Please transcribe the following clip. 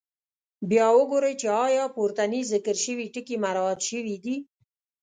بیا وګورئ چې آیا پورتني ذکر شوي ټکي مراعات شوي دي.